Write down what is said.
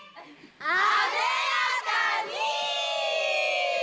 艶やかに！